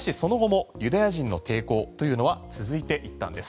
しかし、その後もユダヤ人の抵抗というのは続いていったんです。